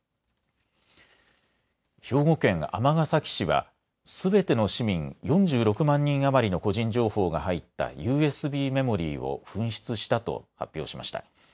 兵庫県尼崎市はすべての市民４６万人余りの個人情報が入ったＵＳＢメモリーを紛失したと発表しました。